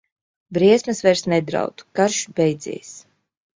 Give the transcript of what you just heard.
Briesmas vairs nedraud, karš beidzies.